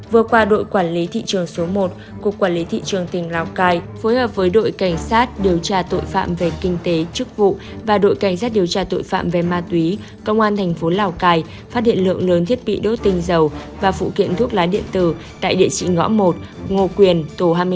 vừa qua đội quản lý thị trường số một cục quản lý thị trường tỉnh lào cai phối hợp với đội cảnh sát điều tra tội phạm về kinh tế chức vụ và đội cảnh sát điều tra tội phạm về ma túy công an thành phố lào cai phát hiện lượng lớn thiết bị đốt tinh dầu và phụ kiện thuốc lá điện tử tại địa chỉ ngõ một ngô quyền tổ hai mươi tám